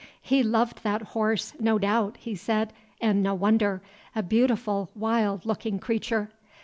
"He loved that horse, no doubt," he said, "and no wonder. A beautiful, wild looking creature!